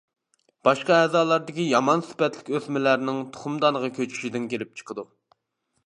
باشقا ئەزالاردىكى يامان سۈپەتلىك ئۆسمىلەرنىڭ تۇخۇمدانغا كۆچۈشىدىن كېلىپ چىقىدۇ.